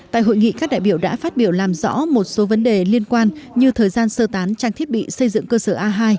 tại hội nghị các đại biểu đã phát biểu làm rõ một số vấn đề liên quan như thời gian sơ tán trang thiết bị xây dựng cơ sở a hai